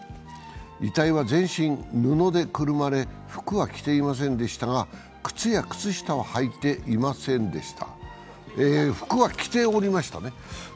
遺体は全身、布でくるまれ服は着ておりましたが靴や靴下は履いておりませんでした。